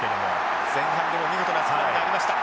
前半でも見事なスクラムがありました。